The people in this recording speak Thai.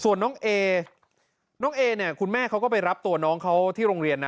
ส่วนน้องเอน้องเอเนี่ยคุณแม่เขาก็ไปรับตัวน้องเขาที่โรงเรียนนะ